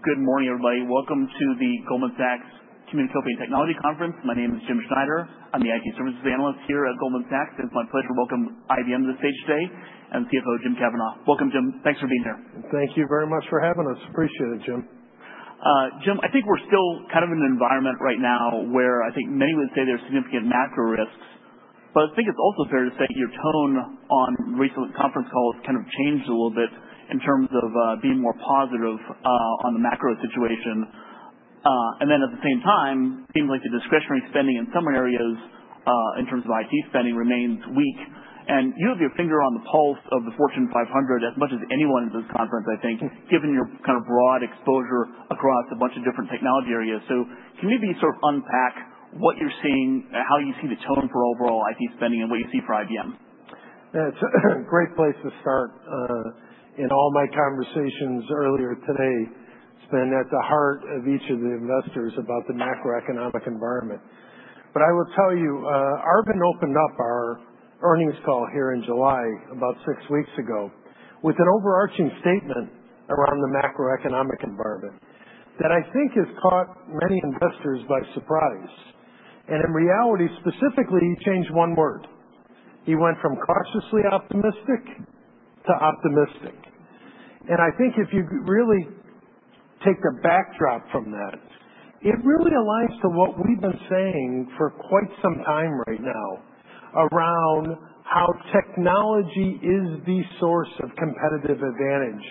Good morning, everybody. Welcome to the Goldman Sachs Communacopia + Technology Conference. My name is James Schneider. I'm the IT services analyst here at Goldman Sachs. It's my pleasure to welcome IBM to the stage today and CFO James Kavanaugh. Welcome, Jim. Thanks for being here. Thank you very much for having us. Appreciate it, Jim. Jim, I think we're still kind of in an environment right now where I think many would say there's significant macro risks, but I think it's also fair to say your tone on recent conference calls kind of changed a little bit in terms of being more positive on the macro situation. At the same time, seems like the discretionary spending in some areas, in terms of IT spending, remains weak. You have your finger on the pulse of the Fortune 500 as much as anyone in this conference, I think- Yes given your kind of broad exposure across a bunch of different technology areas. Can you maybe sort of unpack what you're seeing, how you see the tone for overall IT spending and what you see for IBM? Yeah. It's a great place to start. In all my conversations earlier today, it's been at the heart of each of the investors about the macroeconomic environment. I will tell you, Arvind opened up our earnings call here in July, about six weeks ago, with an overarching statement around the macroeconomic environment that I think has caught many investors by surprise. In reality, specifically, he changed one word. He went from cautiously optimistic to optimistic. I think if you really take the backdrop from that, it really aligns to what we've been saying for quite some time right now around how technology is the source of competitive advantage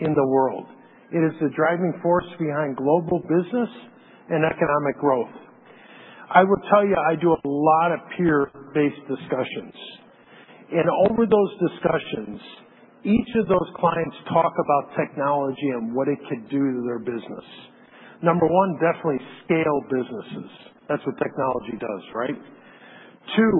in the world. It is the driving force behind global business and economic growth. I will tell you, I do a lot of peer-based discussions, over those discussions, each of those clients talk about technology and what it could do to their business. Number one, definitely scale businesses. That's what technology does, right? Two,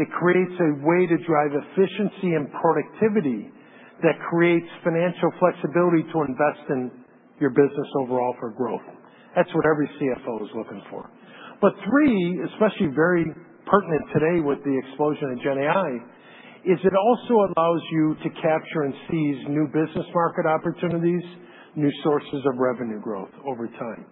it creates a way to drive efficiency and productivity that creates financial flexibility to invest in your business overall for growth. That's what every CFO is looking for. Three, especially very pertinent today with the explosion in gen AI, is it also allows you to capture and seize new business market opportunities, new sources of revenue growth over time.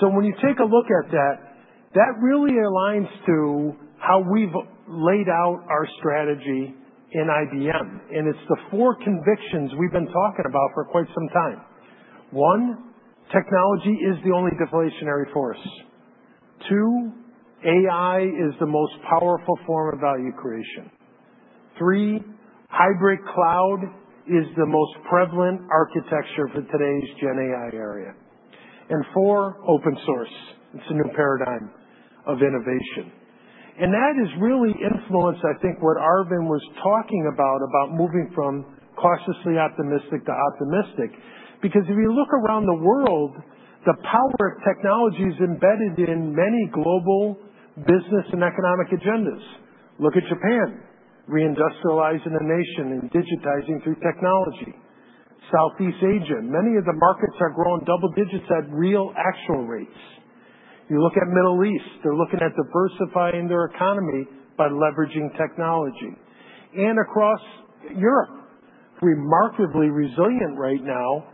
When you take a look at that really aligns to how we've laid out our strategy in IBM, it's the four convictions we've been talking about for quite some time. One, technology is the only deflationary force. Two, AI is the most powerful form of value creation. Three, hybrid cloud is the most prevalent architecture for today's gen AI area. Four, open source. It's a new paradigm of innovation. That has really influenced, I think, what Arvind was talking about moving from cautiously optimistic to optimistic. If you look around the world, the power of technology is embedded in many global business and economic agendas. Look at Japan, reindustrializing a nation and digitizing through technology. Southeast Asia, many of the markets are growing double digits at real actual rates. You look at Middle East, they're looking at diversifying their economy by leveraging technology. Across Europe, remarkably resilient right now,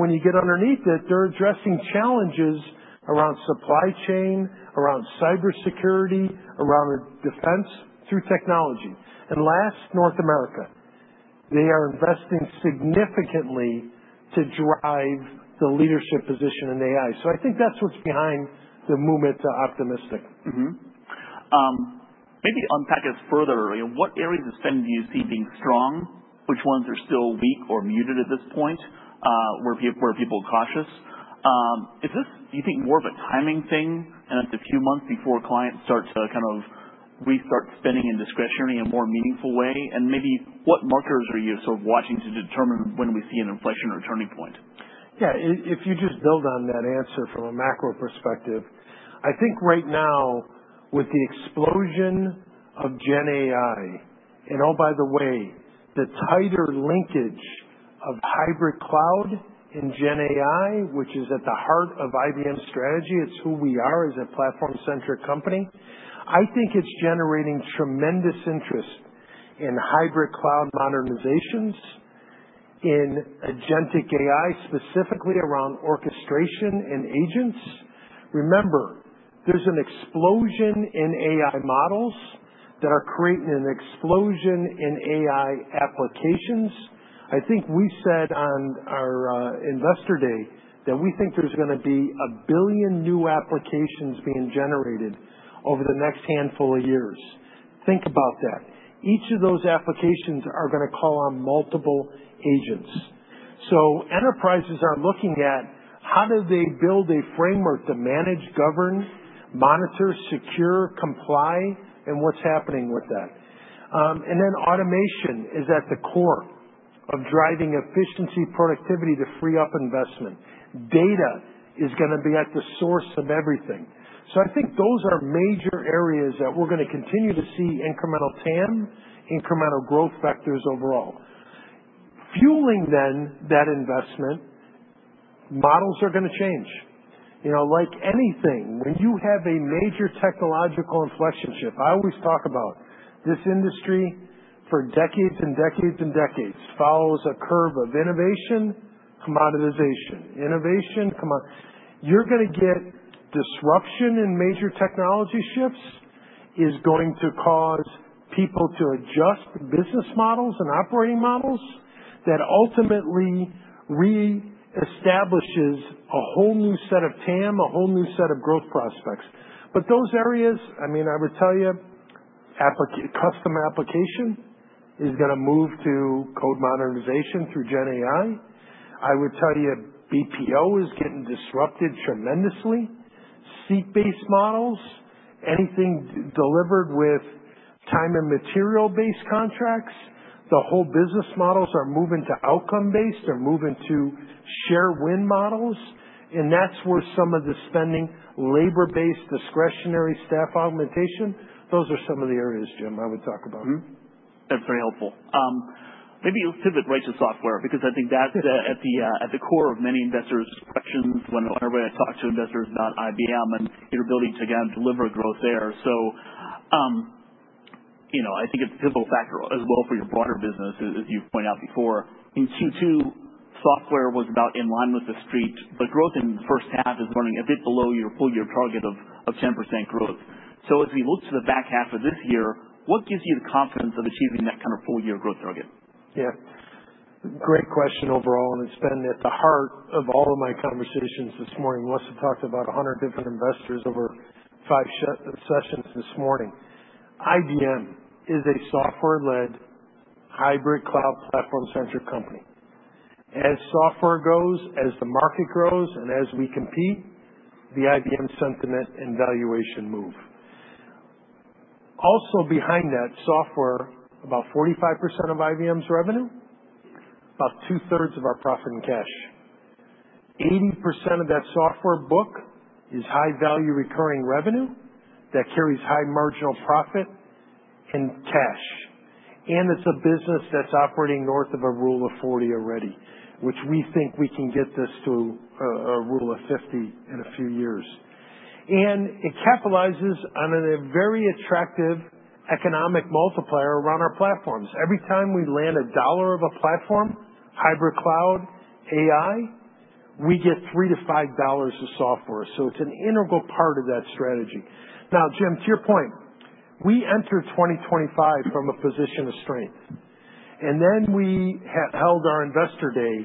when you get underneath it, they're addressing challenges around supply chain, around cybersecurity, around defense through technology. Last, North America. They are investing significantly to drive the leadership position in AI. I think that's what's behind the movement to optimistic. Maybe unpack this further. What areas of spend do you see being strong? Which ones are still weak or muted at this point, where people are cautious? Is this, you think, more of a timing thing, and it's a few months before clients start to kind of restart spending and discretionary in a more meaningful way? Maybe what markers are you sort of watching to determine when we see an inflection or turning point? Yeah. If you just build on that answer from a macro perspective, I think right now with the explosion of gen AI, and oh, by the way, the tighter linkage of hybrid cloud and gen AI, which is at the heart of IBM's strategy, it's who we are as a platform-centric company, I think it's generating tremendous interest in hybrid cloud modernizations, in agentic AI, specifically around orchestration and agents. Remember, there's an explosion in AI models that are creating an explosion in AI applications. I think we said on our investor day that we think there's going to be 1 billion new applications being generated over the next handful of years. Think about that. Each of those applications are going to call on multiple agents. Enterprises are looking at how do they build a framework to manage, govern, monitor, secure, comply, and what's happening with that. Automation is at the core of driving efficiency, productivity to free up investment. Data is going to be at the source of everything. I think those are major areas that we're going to continue to see incremental TAM, incremental growth vectors overall. Fueling then that investment, models are going to change. Like anything, when you have a major technological inflection shift, I always talk about this industry for decades and decades and decades, follows a curve of innovation, commoditization. You're going to get disruption in major technology shifts, is going to cause people to adjust business models and operating models that ultimately re-establishes a whole new set of TAM, a whole new set of growth prospects. Those areas, I would tell you, custom application is going to move to code modernization through GenAI. I would tell you BPO is getting disrupted tremendously. Seat-based models, anything delivered with time and material-based contracts, the whole business models are moving to outcome-based, they're moving to share win models, and that's where some of the spending, labor-based discretionary staff augmentation. Those are some of the areas, Jim, I would talk about. That's very helpful. Maybe you'll pivot right to software, because I think that's at the core of many investors' questions whenever I talk to investors about IBM and your ability to, again, deliver growth there. I think it's a pivotal factor as well for your broader business, as you pointed out before. In Q2, software was about in line with the Street, but growth in the first half is running a bit below your full-year target of 10% growth. As we look to the back half of this year, what gives you the confidence of achieving that kind of full-year growth target? Great question overall, it's been at the heart of all of my conversations this morning. Must have talked to about 100 different investors over five sessions this morning. IBM is a software-led hybrid cloud platform-centric company. As software grows, as the market grows, as we compete, the IBM sentiment and valuation move. Also behind that software, about 45% of IBM's revenue, about two-thirds of our profit and cash. 80% of that software book is high-value recurring revenue that carries high marginal profit and cash. It's a business that's operating north of a Rule of 40 already, which we think we can get this to a Rule of 50 in a few years. It capitalizes on a very attractive economic multiplier around our platforms. Every time we land a dollar of a platform, hybrid cloud, AI, we get $3 to $5 of software. It's an integral part of that strategy. Jim, to your point, we entered 2025 from a position of strength, we held our investor day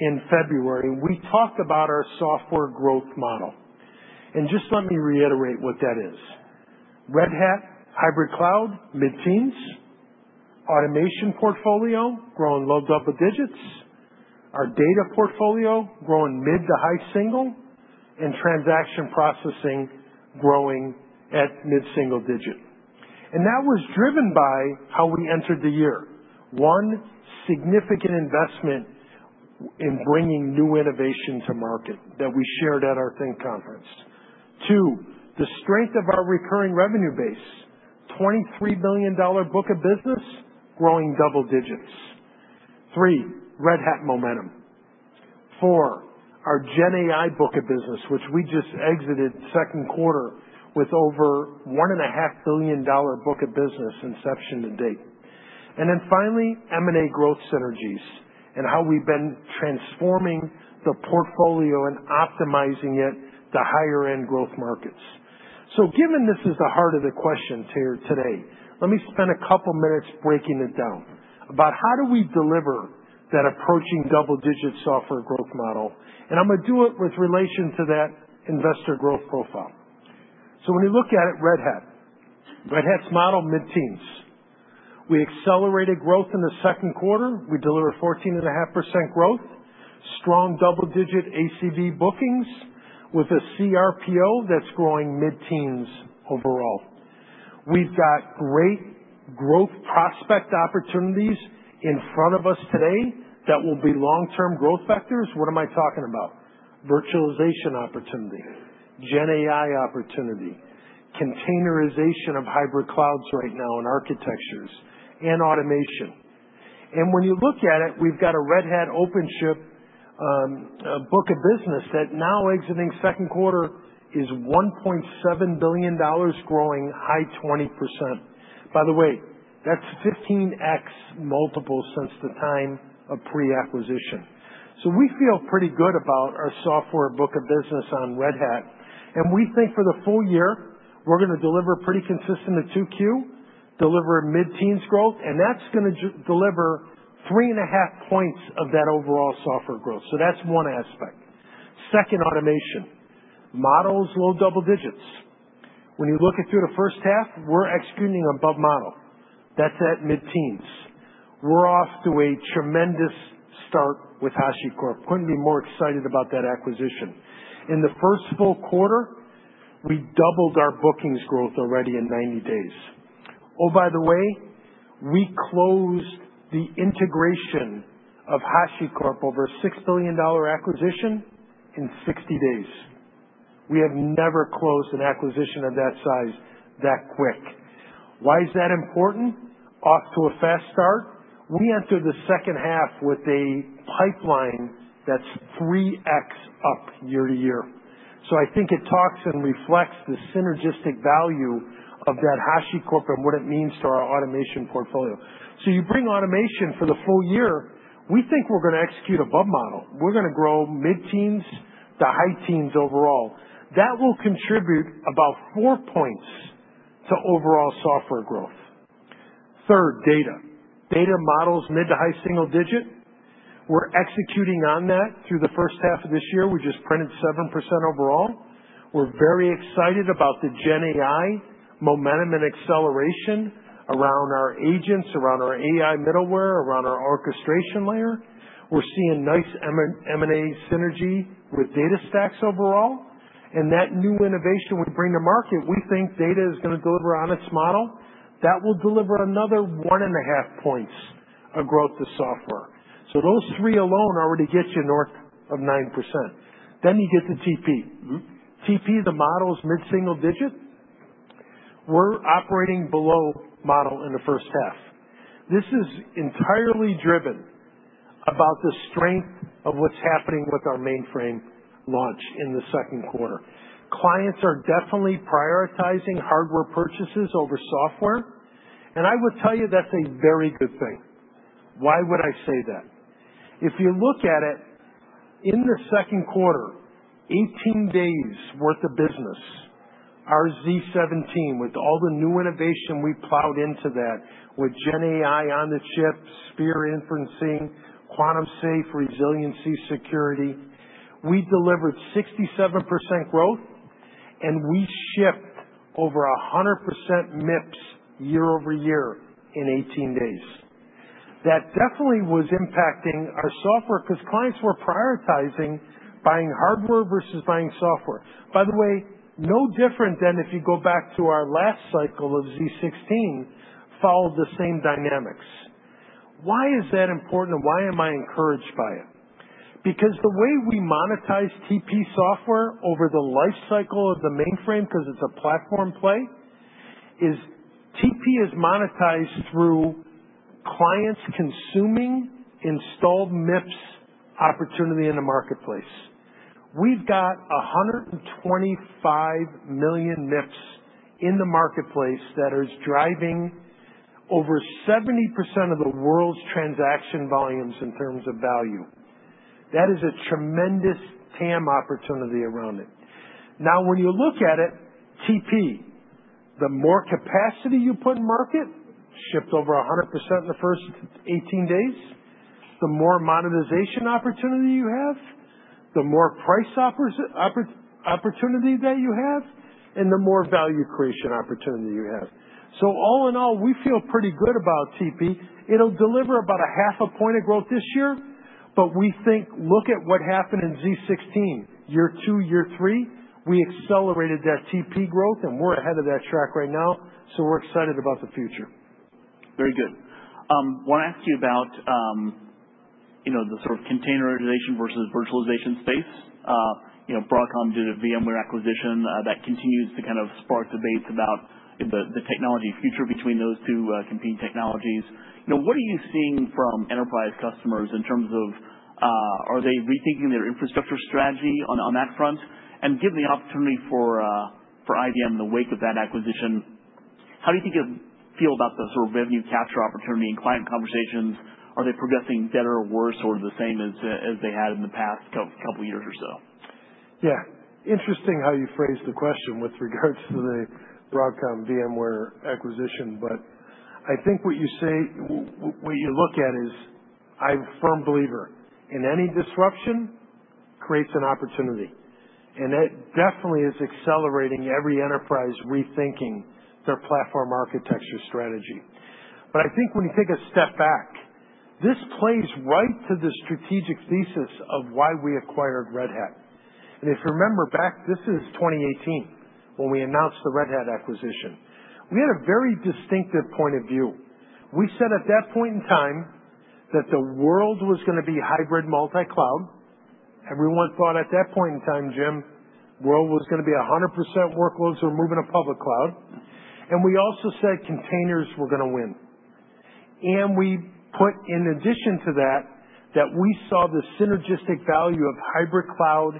in February, we talked about our software growth model. Just let me reiterate what that is. Red Hat, hybrid cloud, mid-teens. Automation portfolio, growing low double digits. Our data portfolio, growing mid to high single, transaction processing growing at mid-single digit. That was driven by how we entered the year. 1, significant investment in bringing new innovation to market that we shared at our THINK conference. 2, the strength of our recurring revenue base. $23 billion book of business growing double digits. 3, Red Hat momentum. 4, our GenAI book of business, which we just exited second quarter with over $1.5 billion book of business inception to date. Finally, M&A growth synergies and how we've been transforming the portfolio and optimizing it to higher-end growth markets. Given this is the heart of the questions here today, let me spend a 2 minutes breaking it down about how do we deliver that approaching double-digit software growth model. I'm going to do it with relation to that investor growth profile. When we look at it, Red Hat. Red Hat's model, mid-teens. We accelerated growth in the second quarter. We delivered 14.5% growth, strong double-digit ACV bookings with a CRPO that's growing mid-teens overall. We've got great growth prospect opportunities in front of us today that will be long-term growth vectors. What am I talking about? Virtualization opportunity, GenAI opportunity, containerization of hybrid clouds right now and architectures, and automation. When you look at it, we've got a Red Hat OpenShift book of business that now exiting second quarter is $1.7 billion growing high 20%. By the way, that's 15x multiple since the time of pre-acquisition. We feel pretty good about our software book of business on Red Hat, and we think for the full year, we're going to deliver pretty consistent to 2Q, deliver mid-teens growth, and that's going to deliver three and a half points of that overall software growth. That's one aspect. Second, automation. Model's low double digits. When you look at through the first half, we're executing above model. That's at mid-teens. We're off to a tremendous start with HashiCorp. Couldn't be more excited about that acquisition. In the first full quarter, we doubled our bookings growth already in 90 days. By the way, we closed the integration of HashiCorp, over a $6 billion acquisition, in 60 days. We have never closed an acquisition of that size that quick. Why is that important off to a fast start? We enter the second half with a pipeline that's 3x up year-over-year. I think it talks and reflects the synergistic value of that HashiCorp and what it means to our automation portfolio. You bring automation for the full year, we think we're going to execute above model. We're going to grow mid-teens to high teens overall. That will contribute about four points to overall software growth. Third, data. Data model's mid to high single digit. We're executing on that through the first half of this year. We just printed 7% overall. We're very excited about the gen AI momentum and acceleration around our agents, around our AI middleware, around our orchestration layer. We're seeing nice M&A synergy with DataStax overall, and that new innovation we bring to market, we think data is going to deliver on its model. That will deliver another one and a half points of growth to software. Those three alone already get you north of 9%. You get to TP. TP, the model is mid-single digit. We're operating below model in the first half. This is entirely driven about the strength of what's happening with our mainframe launch in the second quarter. Clients are definitely prioritizing hardware purchases over software, and I would tell you that's a very good thing. Why would I say that? If you look at it, in the second quarter, 18 days worth of business, our z17, with all the new innovation we plowed into that, with gen AI on the chip, Spyre inferencing, quantum-safe resiliency security, we delivered 67% growth, and we shipped over 100% MIPS year-over-year in 18 days. That definitely was impacting our software because clients were prioritizing buying hardware versus buying software. By the way, no different than if you go back to our last cycle of z16, followed the same dynamics. Why is that important and why am I encouraged by it? Because the way we monetize TP software over the life cycle of the mainframe, because it's a platform play, is TP is monetized through clients consuming installed MIPS opportunity in the marketplace. We've got 125 million MIPS in the marketplace that is driving over 70% of the world's transaction volumes in terms of value. That is a tremendous TAM opportunity around it. When you look at it, TP, the more capacity you put in market, shipped over 100% in the first 18 days, the more monetization opportunity you have, the more price opportunity that you have, and the more value creation opportunity you have. All in all, we feel pretty good about TP. It'll deliver about a half a point of growth this year, but we think, look at what happened in z16. Year two, year three, we accelerated that TP growth and we're ahead of that track right now, we're excited about the future. I want to ask you about the sort of containerization versus virtualization space. Broadcom did a VMware acquisition that continues to kind of spark debates about the technology future between those two competing technologies. What are you seeing from enterprise customers in terms of, are they rethinking their infrastructure strategy on that front? Given the opportunity for IBM in the wake of that acquisition, how do you think you feel about the sort of revenue capture opportunity and client conversations? Are they progressing better or worse or the same as they had in the past couple years or so? Interesting how you phrased the question with regards to the Broadcom VMware acquisition. I think what you look at is, I'm a firm believer in any disruption creates an opportunity, and it definitely is accelerating every enterprise rethinking their platform architecture strategy. I think when you take a step back, this plays right to the strategic thesis of why we acquired Red Hat. If you remember back, this is 2018 when we announced the Red Hat acquisition. We had a very distinctive point of view. We said at that point in time that the world was going to be hybrid multi-cloud. Everyone thought at that point in time, Jim, world was going to be 100% workloads were moving to public cloud. We also said containers were going to win. We put in addition to that we saw the synergistic value of hybrid cloud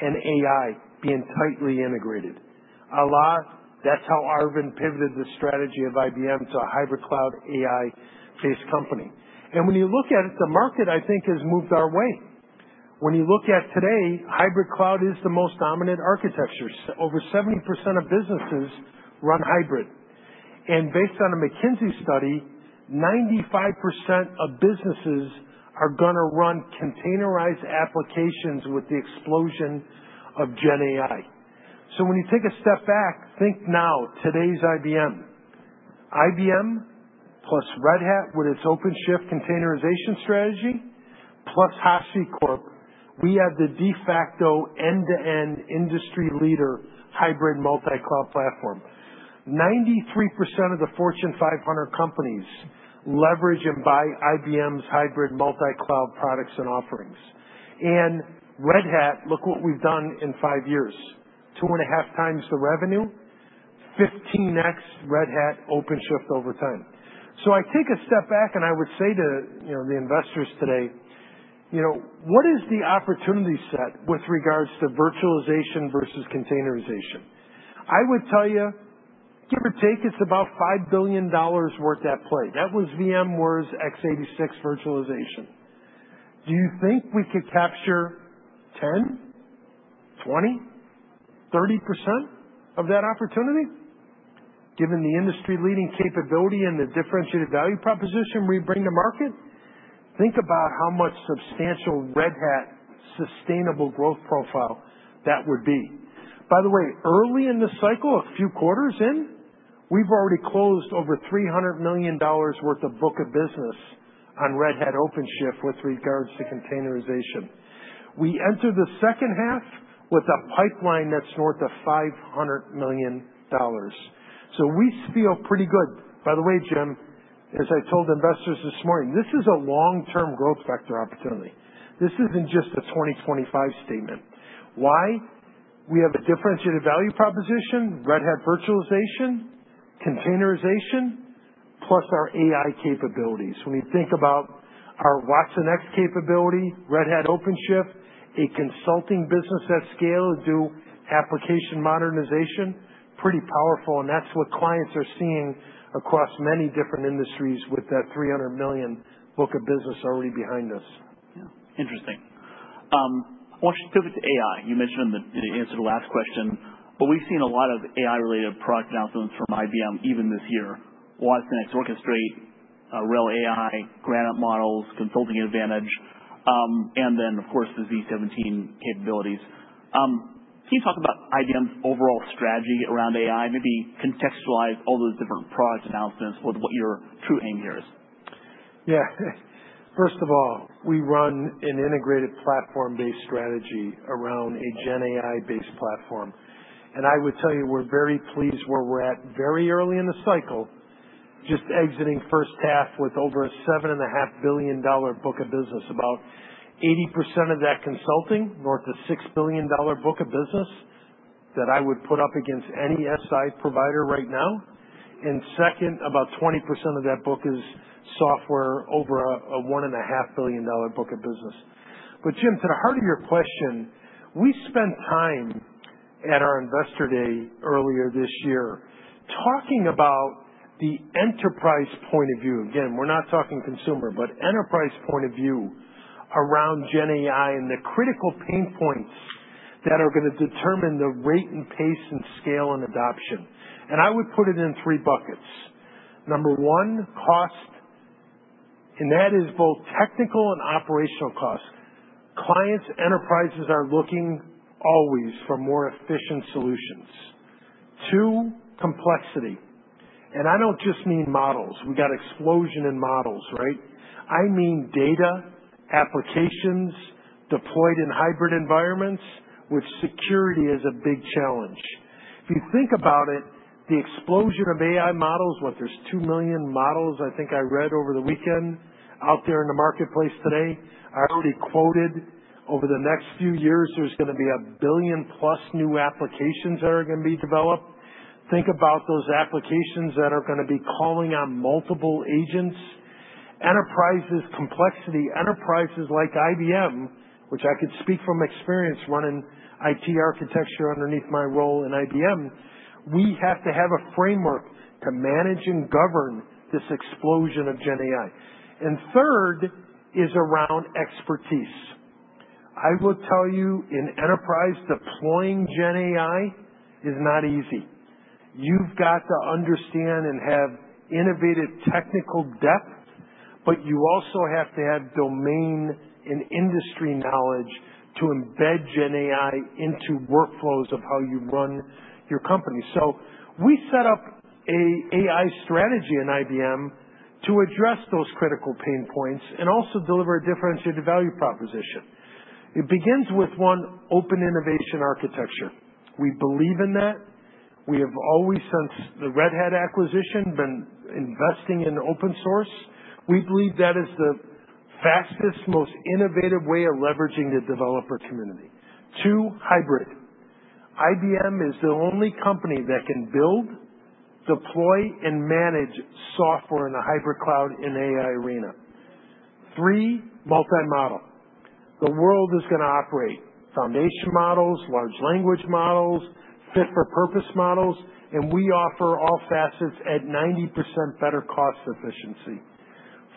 and AI being tightly integrated. That's how Arvind pivoted the strategy of IBM to a hybrid cloud AI-based company. When you look at it, the market, I think, has moved our way. When you look at today, hybrid cloud is the most dominant architecture. Over 70% of businesses run hybrid. Based on a McKinsey study, 95% of businesses are going to run containerized applications with the explosion of gen AI. When you take a step back, think now, today's IBM. IBM plus Red Hat with its OpenShift containerization strategy, plus HashiCorp, we have the de facto end-to-end industry leader hybrid multi-cloud platform. 93% of the Fortune 500 companies leverage and buy IBM's hybrid multi-cloud products and offerings. Red Hat, look what we've done in five years, two and a half times the revenue, 15x Red Hat OpenShift over time. I take a step back and I would say to the investors today, what is the opportunity set with regards to virtualization versus containerization? I would tell you, give or take, it's about $5 billion worth at play. That was VMware's x86 virtualization. Do you think we could capture 10%, 20%, 30% of that opportunity? Given the industry-leading capability and the differentiated value proposition we bring to market, think about how much substantial Red Hat sustainable growth profile that would be. By the way, early in the cycle, a few quarters in, we've already closed over $300 million worth of book of business on Red Hat OpenShift with regards to containerization. We enter the second half with a pipeline that's north of $500 million. We feel pretty good. By the way, Jim, as I told investors this morning, this is a long-term growth vector opportunity. This isn't just a 2025 statement. Why? We have a differentiated value proposition, Red Hat Virtualization, containerization, plus our AI capabilities. When we think about our Watsonx capability, Red Hat OpenShift, a consulting business at scale to do application modernization, pretty powerful, and that's what clients are seeing across many different industries with that $300 million book of business already behind us. Interesting. I want to shift over to AI. You mentioned in the answer to the last question, we've seen a lot of AI-related product announcements from IBM even this year. watsonx Orchestrate, RHEL AI, Granite models, IBM Consulting Advantage, and then, of course, the z17 capabilities. Can you talk about IBM's overall strategy around AI? Maybe contextualize all those different product announcements with what your true aim here is. First of all, we run an integrated platform-based strategy around a gen AI-based platform. I would tell you, we're very pleased where we're at, very early in the cycle, just exiting first half with over a $7.5 billion book of business, about 80% of that consulting, north of $6 billion book of business that I would put up against any SI provider right now. Second, about 20% of that book is software over a $1.5 billion book of business. Jim, to the heart of your question, we spent time at our investor day earlier this year talking about the enterprise point of view. Again, we're not talking consumer, but enterprise point of view around gen AI and the critical pain points that are going to determine the rate and pace and scale and adoption. I would put it in three buckets. Number one, cost. That is both technical and operational cost. Clients, enterprises are looking always for more efficient solutions. Two, complexity. I don't just mean models. We got explosion in models, right? I mean data, applications deployed in hybrid environments, which security is a big challenge. If you think about it, the explosion of AI models, there's 2 million models I think I read over the weekend out there in the marketplace today. I already quoted over the next few years, there's going to be 1 billion plus new applications that are going to be developed. Think about those applications that are going to be calling on multiple agents. Enterprises complexity, enterprises like IBM, which I could speak from experience running IT architecture underneath my role in IBM, we have to have a framework to manage and govern this explosion of GenAI. Third is around expertise. I will tell you, in enterprise, deploying GenAI is not easy. You've got to understand and have innovative technical depth, but you also have to have domain and industry knowledge to embed GenAI into workflows of how you run your company. We set up an AI strategy in IBM to address those critical pain points and also deliver a differentiated value proposition. It begins with, one, open innovation architecture. We believe in that. We have always, since the Red Hat acquisition, been investing in open source. We believe that is the fastest, most innovative way of leveraging the developer community. Two, hybrid. IBM is the only company that can build, deploy, and manage software in a hybrid cloud in AI arena. Three, multi-model. The world is going to operate foundation models, large language models, fit-for-purpose models, and we offer all facets at 90% better cost efficiency.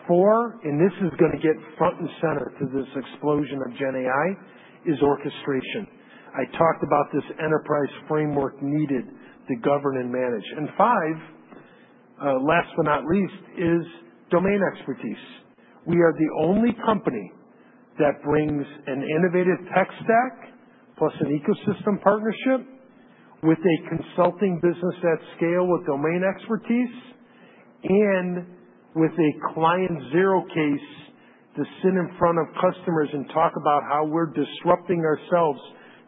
Four, this is going to get front and center to this explosion of GenAI, is orchestration. I talked about this enterprise framework needed to govern and manage. Five, last but not least, is domain expertise. We are the only company that brings an innovative tech stack plus an ecosystem partnership with a consulting business at scale with domain expertise and with a Client Zero case to sit in front of customers and talk about how we're disrupting ourselves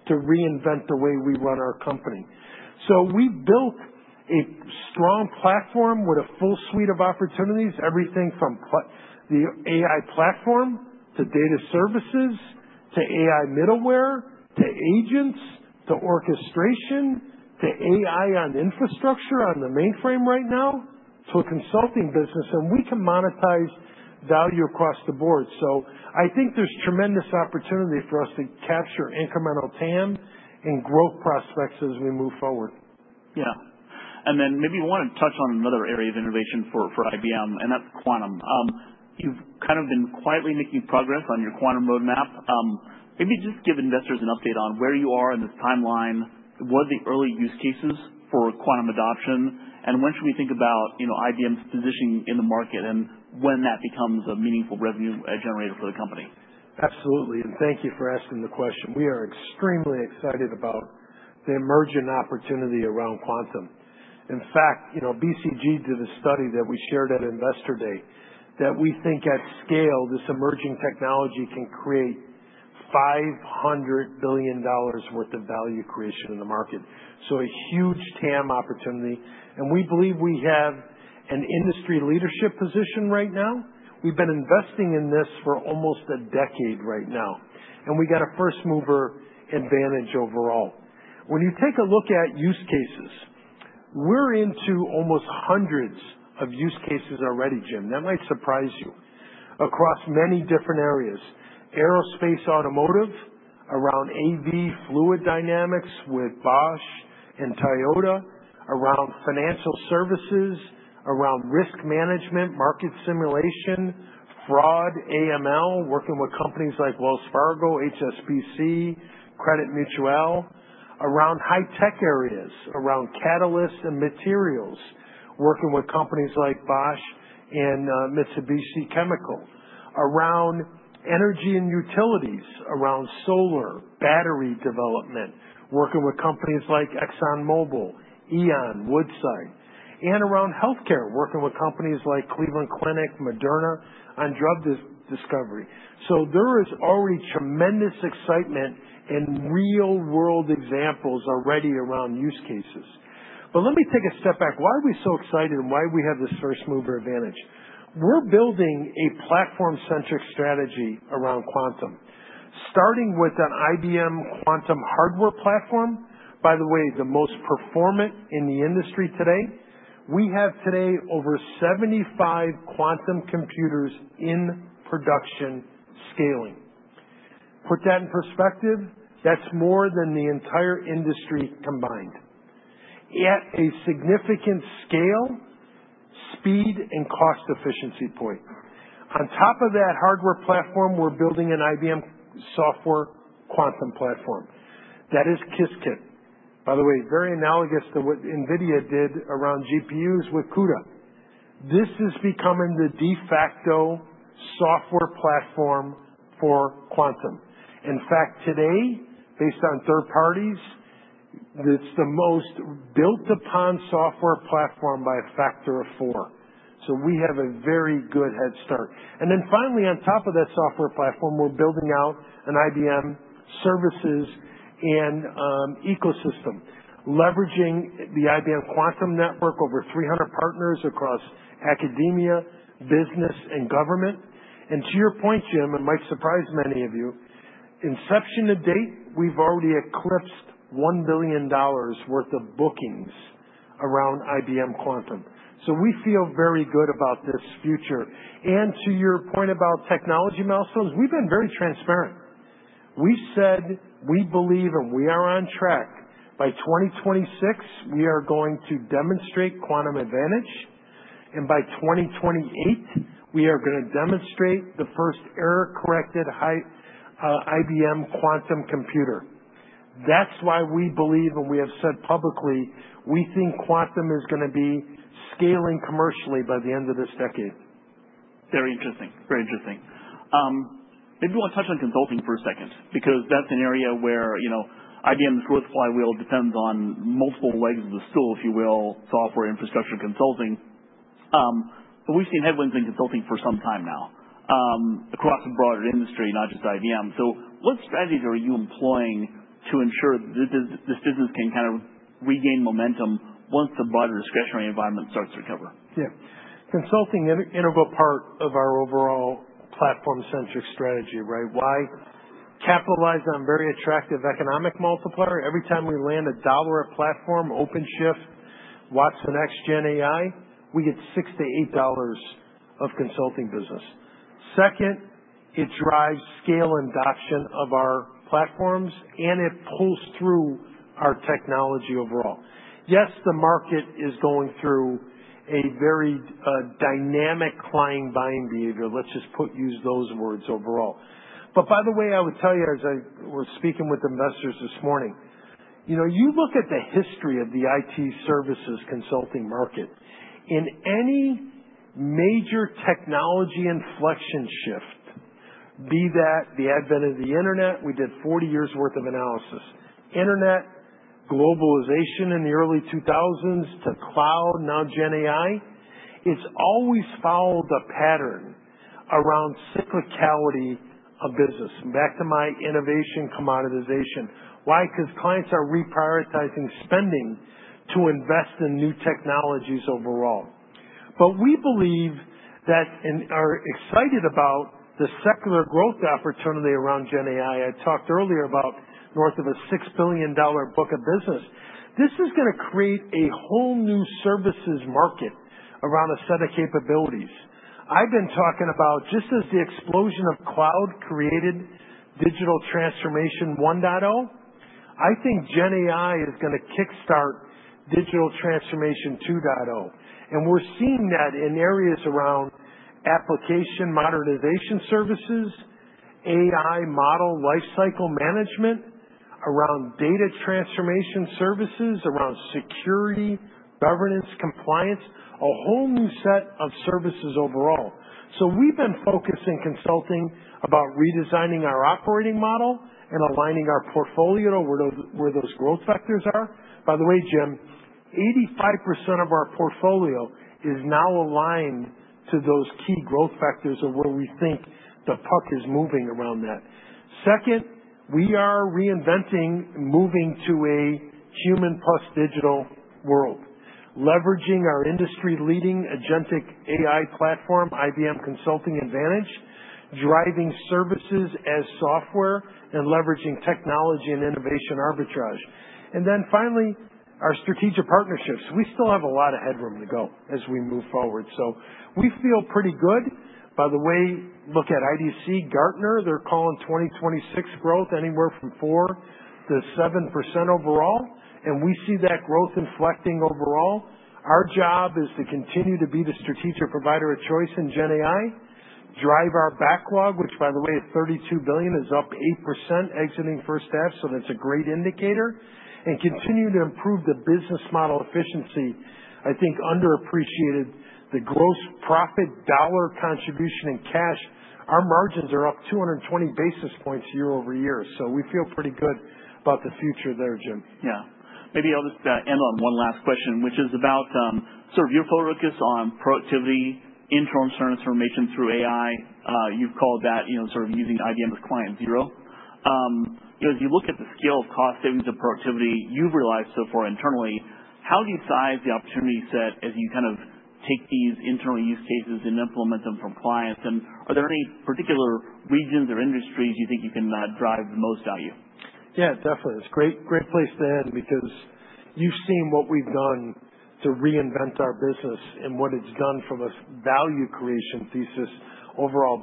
to reinvent the way we run our company. We've built a strong platform with a full suite of opportunities, everything from the AI platform, to data services, to AI middleware, to agents, to orchestration, to AI on infrastructure on the mainframe right now, to a consulting business, and we can monetize value across the board. I think there's tremendous opportunity for us to capture incremental TAM and growth prospects as we move forward. Yeah. Maybe want to touch on another area of innovation for IBM, and that's quantum. You've kind of been quietly making progress on your quantum roadmap. Maybe just give investors an update on where you are in this timeline. What are the early use cases for quantum adoption, and when should we think about IBM's positioning in the market and when that becomes a meaningful revenue generator for the company? Absolutely. Thank you for asking the question. We are extremely excited about the emerging opportunity around quantum. In fact, BCG did a study that we shared at Investor Day that we think at scale, this emerging technology can create $500 billion worth of value creation in the market. A huge TAM opportunity, and we believe we have an industry leadership position right now. We've been investing in this for almost a decade right now, and we got a first-mover advantage overall. When you take a look at use cases, we're into almost hundreds of use cases already, Jim, that might surprise you, across many different areas. Aerospace, automotive, around AV fluid dynamics with Bosch and Toyota, around financial services, around risk management, market simulation, fraud, AML, working with companies like Wells Fargo, HSBC, Crédit Mutuel. Around high tech areas, around catalysts and materials, working with companies like Bosch and Mitsubishi Chemical. Around energy and utilities, around solar, battery development, working with companies like ExxonMobil, E.ON, Woodside. Around healthcare, working with companies like Cleveland Clinic, Moderna on drug discovery. There is already tremendous excitement and real-world examples already around use cases. Let me take a step back. Why are we so excited and why we have this first-mover advantage? We're building a platform-centric strategy around quantum, starting with an IBM Quantum hardware platform, by the way, the most performant in the industry today. We have today over 75 quantum computers in production scaling. Put that in perspective, that's more than the entire industry combined, at a significant scale, speed, and cost efficiency point. On top of that hardware platform, we're building an IBM software quantum platform. That is Qiskit. By the way, very analogous to what NVIDIA did around GPUs with CUDA. This is becoming the de facto software platform for quantum. In fact, today, based on third parties, it's the most built-upon software platform by a factor of four. We have a very good head start. Finally, on top of that software platform, we're building out an IBM services and ecosystem leveraging the IBM Quantum Network, over 300 partners across academia, business, and government. To your point, Jim, it might surprise many of you, inception to date, we've already eclipsed $1 billion worth of bookings around IBM Quantum. We feel very good about this future. To your point about technology milestones, we've been very transparent. We said we believe we are on track, by 2026, we are going to demonstrate quantum advantage, by 2028, we are going to demonstrate the first error-corrected IBM Quantum computer. That's why we believe, we have said publicly, we think quantum is going to be scaling commercially by the end of this decade. Very interesting. Maybe I want to touch on consulting for a second, because that's an area where IBM's growth flywheel depends on multiple legs of the stool, if you will, software, infrastructure, consulting. We've seen headwinds in consulting for some time now, across the broader industry, not just IBM. What strategies are you employing to ensure this business can kind of regain momentum once the broader discretionary environment starts to recover? Yeah. Consulting, integral part of our overall platform-centric strategy, right? Why? Capitalize on very attractive economic multiplier. Every time we land a dollar of platform, OpenShift, Watsonx, we get $6 to $8 of consulting business. Second, it drives scale adoption of our platforms, it pulls through our technology overall. Yes, the market is going through a very dynamic client buying behavior. Let's just use those words overall. By the way, I would tell you, as I was speaking with investors this morning. You look at the history of the IT services consulting market. In any major technology inflection shift, be that the advent of the internet, we did 40 years' worth of analysis, internet, globalization in the early 2000s to cloud, now gen AI. It's always followed a pattern around cyclicality of business, back to my innovation commoditization. Why? Clients are reprioritizing spending to invest in new technologies overall. We believe that and are excited about the secular growth opportunity around gen AI. I talked earlier about north of a $6 billion book of business. This is going to create a whole new services market around a set of capabilities. I've been talking about just as the explosion of cloud created Digital Transformation 1.0, I think gen AI is going to kickstart Digital Transformation 2.0, we're seeing that in areas around application modernization services, AI model lifecycle management, around data transformation services, around security, governance, compliance, a whole new set of services overall. We've been focusing consulting about redesigning our operating model and aligning our portfolio where those growth vectors are. By the way, Jim, 85% of our portfolio is now aligned to those key growth vectors of where we think the puck is moving around that. Second, we are reinventing moving to a human plus digital world, leveraging our industry-leading agentic AI platform, IBM Consulting Advantage, driving services as software, and leveraging technology and innovation arbitrage. Finally, our strategic partnerships. We still have a lot of headroom to go as we move forward. We feel pretty good. By the way, look at IDC, Gartner. They're calling 2026 growth anywhere from 4%-7% overall, and we see that growth inflecting overall. Our job is to continue to be the strategic provider of choice in gen AI, drive our backlog, which by the way is $32 billion, is up 8% exiting first half, that's a great indicator, and continue to improve the business model efficiency. I think underappreciated the gross profit dollar contribution in cash. Our margins are up 220 basis points year-over-year. We feel pretty good about the future there, Jim. Yeah. Maybe I'll just end on one last question, which is about sort of your focus on productivity, internal transformation through AI. You've called that sort of using IBM as Client Zero. As you look at the scale of cost savings and productivity you've realized so far internally, how do you size the opportunity set as you kind of take these internal use cases and implement them for clients? Are there any particular regions or industries you think you can drive the most value? Yeah, definitely. It's a great place to end because you've seen what we've done to reinvent our business and what it's done from a value creation thesis overall.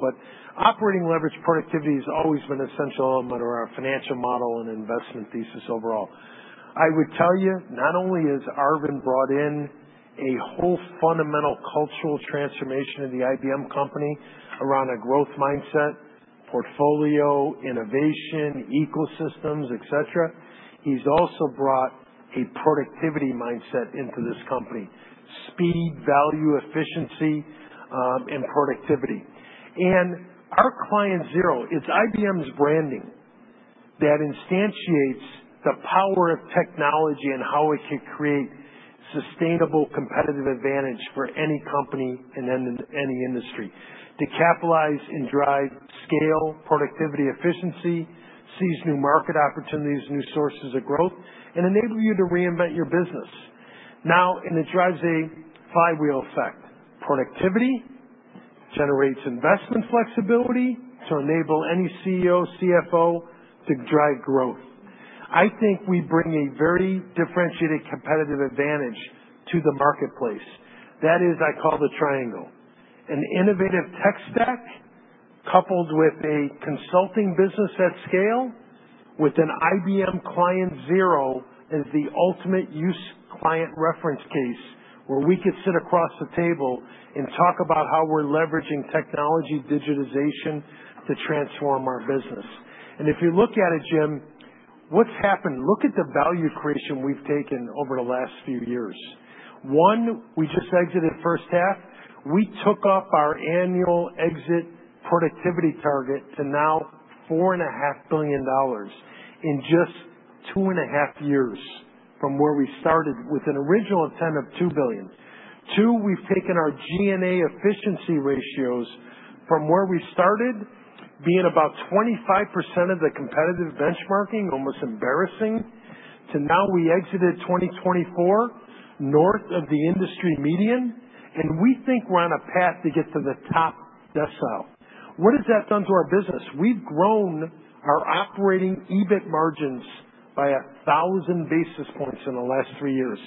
Operating leverage productivity has always been an essential element of our financial model and investment thesis overall. I would tell you, not only has Arvind brought in a whole fundamental cultural transformation of the IBM company around a growth mindset, portfolio, innovation, ecosystems, et cetera, he's also brought a productivity mindset into this company. Speed, value, efficiency, and productivity. Our Client Zero, it's IBM's branding that instantiates the power of technology and how it can create sustainable competitive advantage for any company and any industry to capitalize and drive scale, productivity, efficiency, seize new market opportunities, new sources of growth, and enable you to reinvent your business. Now, it drives a flywheel effect. Productivity generates investment flexibility to enable any CEO, CFO to drive growth. I think we bring a very differentiated competitive advantage to the marketplace. That is, I call the triangle. An innovative tech stack coupled with a consulting business at scale with an IBM Client Zero is the ultimate use client reference case, where we could sit across the table and talk about how we're leveraging technology digitization to transform our business. If you look at it, Jim, what's happened? Look at the value creation we've taken over the last few years. One, we just exited first half. We took up our annual exit productivity target to now $4.5 billion in just two and a half years from where we started with an original intent of $2 billion. Two, we've taken our G&A efficiency ratios from where we started being about 25% of the competitive benchmarking, almost embarrassing, to now we exited 2024 north of the industry median. We think we're on a path to get to the top decile. What has that done to our business? We've grown our operating EBIT margins by 1,000 basis points in the last three years.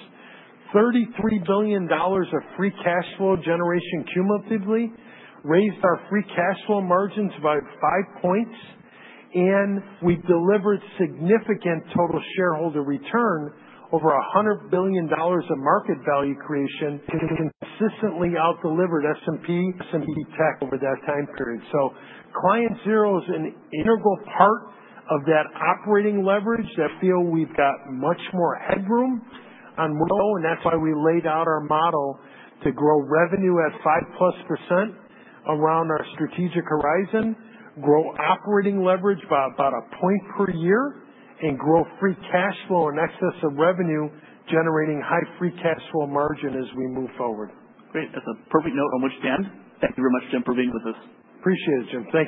$33 billion of free cash flow generation cumulatively raised our free cash flow margins by five points. We've delivered significant total shareholder return over $100 billion of market value creation consistently out-delivered S&P Tech over that time period. Client Zero is an integral part of that operating leverage that feel we've got much more headroom on grow. That's why we laid out our model to grow revenue at five plus % around our strategic horizon, grow operating leverage by about one point per year, grow free cash flow in excess of revenue, generating high free cash flow margin as we move forward. Great. That's a perfect note on which to end. Thank you very much, Jim, for being with us. Appreciate it, Jim. Thank you.